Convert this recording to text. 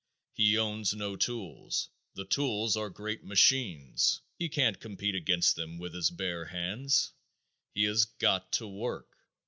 He owns no tools; the tools are great machines. He can't compete against them with his bare hands. He has got to work.